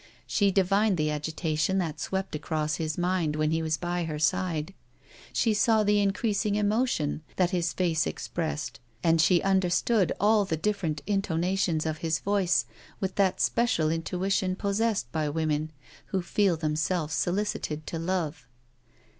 She divined the agitation that swept across his mind when he was by her side, she saw the increasing emotion that his face expressed, and she understood all the different intonations of his voice with that special intuition possessed by women who feel themselves solicited to love.